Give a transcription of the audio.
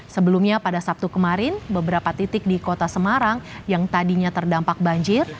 sebelumnya pada sabtu kemarin beberapa titik di kota semarang yang tadinya terdampak banjir